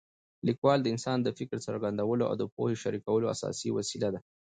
لیکوالي د انسان د فکر څرګندولو او د پوهې شریکولو اساسي وسیله ده.